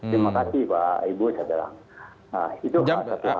terima kasih pak ibu saudara